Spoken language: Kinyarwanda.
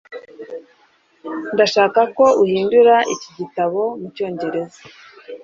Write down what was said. ndashaka ko uhindura iki gitabo mucyongereza